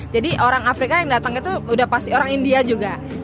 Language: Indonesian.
jadi orang afrika yang datang itu udah pasti orang india juga